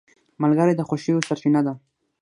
ملګری د خوښیو سرچینه ده